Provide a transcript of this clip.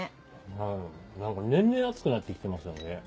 はい何か年々暑くなってきてますよね。